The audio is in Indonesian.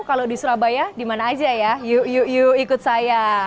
kalau di surabaya dimana aja ya yuk yuk ikut saya